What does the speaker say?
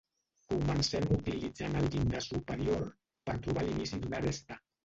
Comencem utilitzant el llindar superior per trobar l'inici d'una aresta.